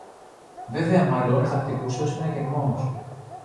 Βέβαια μάλλον θα χτυπούσε ο συναγερμός